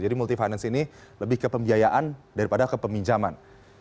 jadi multifinance ini lebih ke pembiayaan daripada ke peminjaman